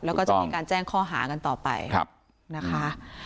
แล้วก็จะมีการแจ้งข้อหากันต่อไปนะคะ